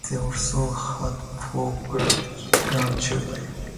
They also had four grandchildren.